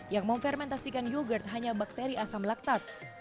yang memfermentasikan yogurt hanya bakteri asam laktat